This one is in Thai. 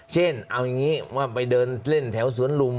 เช่นเอาอย่างนี้ว่าไปเดินเล่นแถวสวนลุม